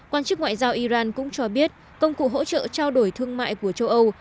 quan chức ngoại giao iran cũng cho biết công cụ hỗ trợ trao đổi thương mại của châu âu